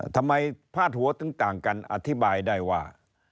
พาดหัวถึงต่างกันอธิบายได้ว่า